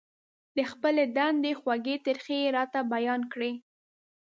د خپلې دندې خوږې ترخې يې راته بيان کړې.